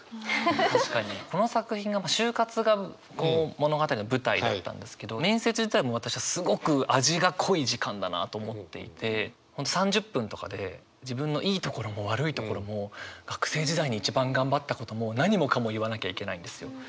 確かにこの作品が就活が物語の舞台だったんですけど面接自体私はすごく味が濃い時間だなと思っていて３０分とかで自分のいいところも悪いところも学生時代に一番頑張ったことも何もかも言わなきゃいけないんですよ。